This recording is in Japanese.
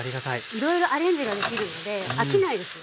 いろいろアレンジができるので飽きないですよ。